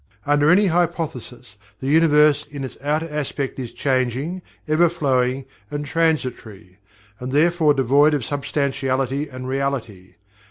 Under any hypothesis the Universe in its outer aspect is changing, ever flowing, and transitory and therefore devoid of substantiality and reality.